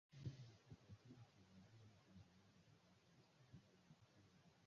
hii ni kufuatia kuingizwa kwa Jamhuri ya Kidemokrasi ya Kongo kuwa mwanachama mpya katika jumuiya hiyo